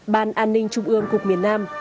ban an ninh trung ương cục miền nam